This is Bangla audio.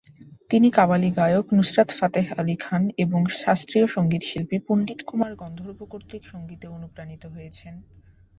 তিনি কাওয়ালি গায়ক নুসরাত ফাতেহ আলী খান এবং শাস্ত্রীয় সঙ্গীতশিল্পী পণ্ডিত কুমার গন্ধর্ব কর্তৃক সঙ্গীতে অনুপ্রানিত হয়েছেন।